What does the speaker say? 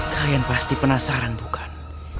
kalian pasti penasaran bukan